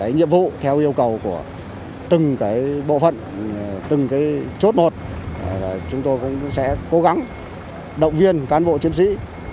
nhiệm vụ theo yêu cầu của từng bộ phận từng chốt một chúng tôi cũng sẽ cố gắng động viên cán bộ chiến sĩ